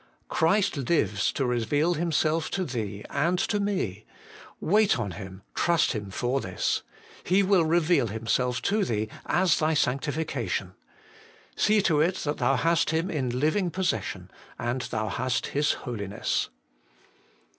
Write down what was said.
Christ Hues to reveal Himself to thee and to me ; wait on Him, trust Him for this. He will reveal Himself to thee as thy sanctification. See to it that thou hast Him in living possession, and thou hast His Holiness.